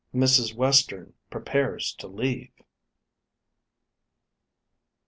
MRS. WESTERN PREPARES TO LEAVE.